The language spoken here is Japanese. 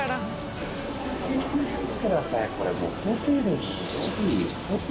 見てくださいこれ。